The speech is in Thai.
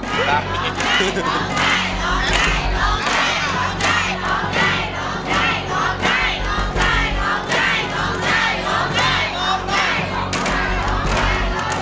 ร้องได้ร้องได้ร้องได้ร้องได้ร้องได้ร้องได้